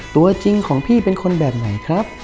ตัวจริงของพี่เป็นคนแบบไหนครับ